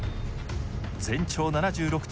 全長７６．９ｋｍ。